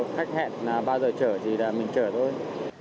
khách hẹn là ba giờ chở thì mình chở thôi